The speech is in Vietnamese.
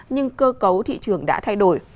nhưng cơ cấu thị trường đã thay đổi